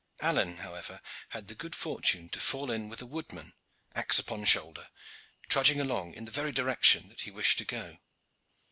Alleyne, however, had the good fortune to fall in with a woodman, axe upon shoulder, trudging along in the very direction that he wished to go.